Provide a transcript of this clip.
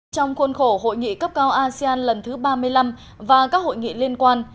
trong khuôn khổ hội nghị cấp cao asean lần thứ ba mươi năm và các hội nghị liên quan